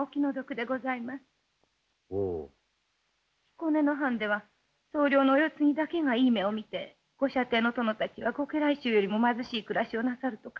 彦根の藩では総領のお世継ぎだけがいい目を見てご舎弟の殿たちはご家来衆よりも貧しい暮らしをなさるとか。